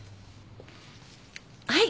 はい。